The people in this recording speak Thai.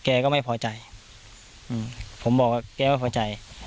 แกก็ไม่พอใจผมบอกว่าแกไม่พอใจ